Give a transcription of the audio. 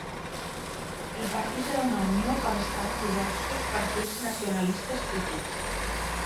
El partit era una unió que abastava diversos partits nacionalistes petits.